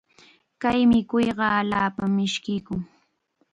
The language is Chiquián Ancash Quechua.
Kay mikuyqa allaapam mishkiykun.